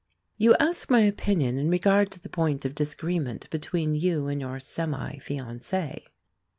You ask my opinion in regard to the point of disagreement between you and your semi fiancé.